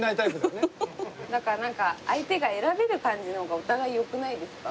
だからなんか相手が選べる感じの方がお互いよくないですか？